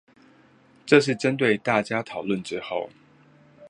這個是針對大家討論之後